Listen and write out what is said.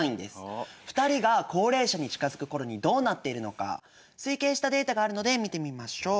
２人が高齢者に近づく頃にどうなっているのか推計したデータがあるので見てみましょう。